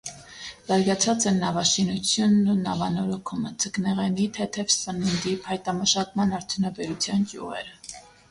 Զարգացած են նավաշինութիւնն ու նավանորոգումը, ձկնեղենի, թեթեւ, սննդի, փայտամշակման արդյունաբերութեան ճիւղերը։